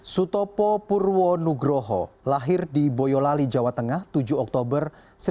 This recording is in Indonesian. sutopo purwo nugroho lahir di boyolali jawa tengah tujuh oktober seribu sembilan ratus enam puluh sembilan